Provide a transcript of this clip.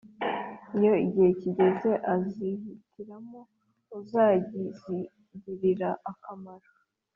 iyo igihe kigeze, azihitiramo uzazigirira akamaro